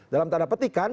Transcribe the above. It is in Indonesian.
dalam tanda petikan